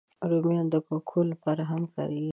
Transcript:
رومیان د کوکو لپاره هم کارېږي